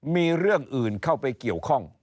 มีเรื่องอื่นเข้าไปเกี่ยวข้อง